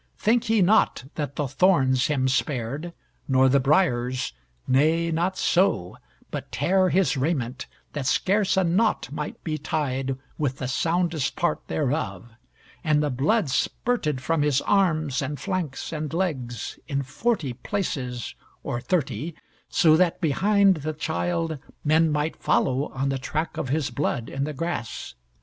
Think ye not that the thorns him spared, nor the briars, nay, not so, but tare his raiment, that scarce a knot might be tied with the soundest part thereof, and the blood spurted from his arms, and flanks, and legs, in forty places, or thirty, so that behind the Childe men might follow on the track of his blood in the grass.